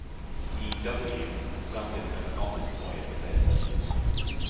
E. W. started as an office boy at the paper.